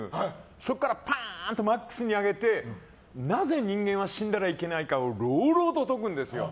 そこからパーンとマックスに上げてなぜ人間は死んだらいけないかを朗々と説くんです。